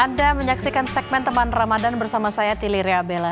anda menyaksikan segmen teman ramadhan bersama saya tili reabella